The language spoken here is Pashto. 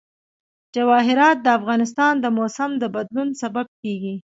جواهرات د افغانستان د موسم د بدلون سبب کېږي.